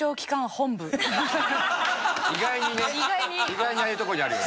意外にね。